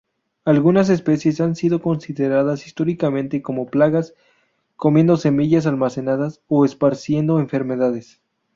Algunas especies han sido consideradas históricamente como plagas, comiendo semillas almacenadas o esparciendo enfermedades.